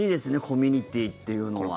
コミュニティーというのは。